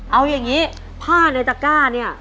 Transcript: เอาอย่างนี้ผ้าในตะก้าเนี่ย